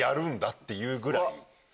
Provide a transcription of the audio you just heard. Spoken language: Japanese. っていうぐらい。